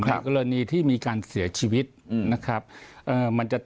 ในกรณีที่มีการเสียชีวิตนะครับเอ่อมันจะ